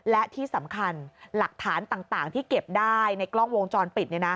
และที่สำคัญหลักฐานต่างที่เก็บได้ในกล้องวงจรปิด